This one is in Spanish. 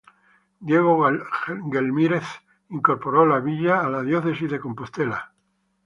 Diego Gelmírez incorporó la villa a la Diócesis de Compostela.